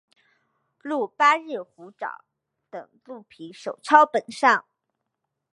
鹿八日虎爪等鹿皮手抄本上。